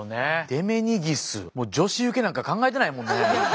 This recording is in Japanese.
デメニギスもう女子ウケなんか考えてないもんね。